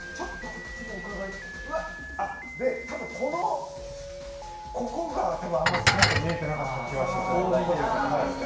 多分、ここがあんまし見えてなかった気がします。